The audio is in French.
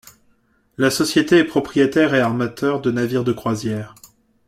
La société est propriétaire et armateur de navires de croisière.